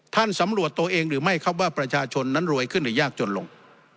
สำรวจตัวเองหรือไม่ครับว่าประชาชนนั้นรวยขึ้นหรือยากจนลง